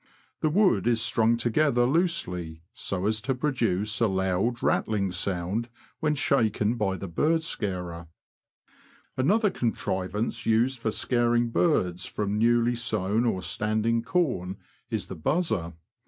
The wood is strung together loosely, so as to produce a loud, rattling sound, when shaken by the bird scarer Another contrivance, used for scaring birds from newly sown or standing corn, is the ''buzzer."